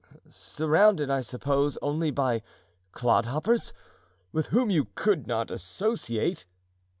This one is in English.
"Surrounded, I suppose, only by clodhoppers, with whom you could not associate."